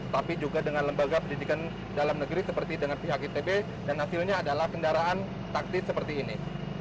tapi juga dengan lembaga pendidikan dalam negeri seperti dengan pihak itb dan hasilnya adalah kendaraan taktis seperti ini